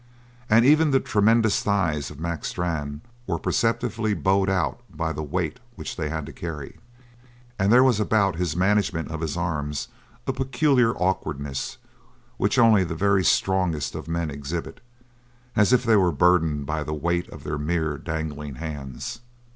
And even the tremendous thighs of Mac Strann were perceptibly bowed out by the weight which they had to carry. And there was about his management of his arms a peculiar awkwardness which only the very strongest of men exhibit as if they were burdened by the weight of their mere dangling hands.